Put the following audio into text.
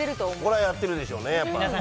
これはやってるでしょうね、やっぱ。